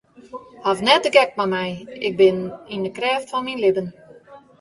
Haw net de gek mei my, ik bin yn de krêft fan myn libben.